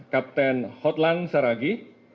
kapten hotlang saragi